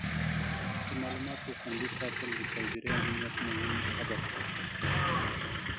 د معلوماتو خوندي ساتل د سایبري امنیت مهم هدف دی.